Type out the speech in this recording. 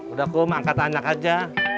udah kum angkat anak aja